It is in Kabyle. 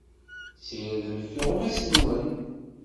Ssirdemt tuɣmas-nwent.